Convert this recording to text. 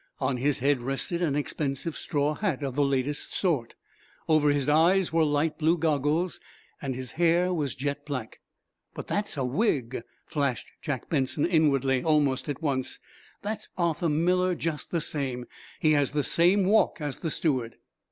On his head rested an expensive straw hat of the latest sort. Over his eyes were light blue goggles. His hair was jet black. "But that's a wig!" flashed Jack Benson, inwardly, almost at once. "That's Arthur Miller, just the same. He has the same walk as the steward!"